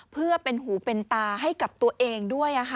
เพื่อเป็นหูเป็นตาให้กับตัวเองด้วย